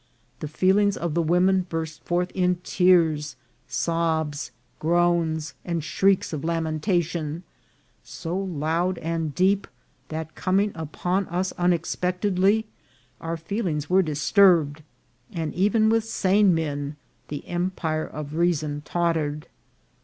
The feelings of the women burst forth in tears, sobs, groans, and shrieks of lamentation, so loud and deep, that, coming upon us unexpectedly, our feelings were disturbed, and even with sane men the empire of reason tottered.